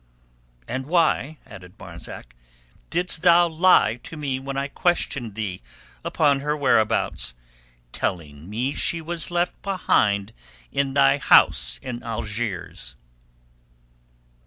"And why," added Marzak, "didst thou lie to me when I questioned thee upon her whereabouts?—telling me she was left behind in thy house in Algiers?"